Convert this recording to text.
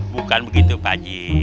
bukan begitu pak haji